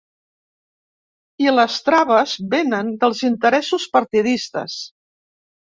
I les traves vénen dels interessos partidistes.